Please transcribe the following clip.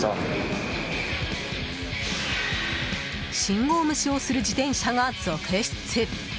信号無視をする自転車が続出。